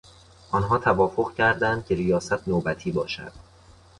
آنها توافق کردند که ریاست نوبتی باشد.